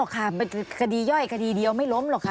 ค่ะเป็นคดีย่อยคดีเดียวไม่ล้มหรอกค่ะ